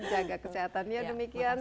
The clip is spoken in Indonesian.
jaga kesehatan ya demikian